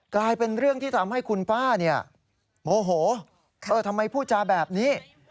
กลายเป็นเรื่องที่ทำให้คุณป้าเนี่ยโมโหทำไมพูดจาแบบนี้